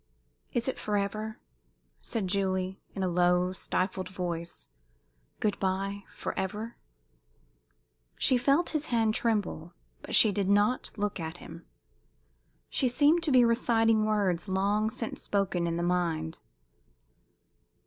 "Is it forever?" said Julie, in a low, stifled voice. "Good bye forever?" She felt his hand tremble, but she did not look at him. She seemed to be reciting words long since spoken in the mind.